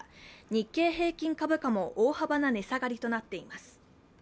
日経平均株価も大幅な値下がりとなっています。